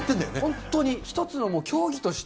本当に、一つの競技として。